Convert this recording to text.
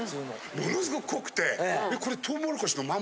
ものすごく濃くてこれ。へ。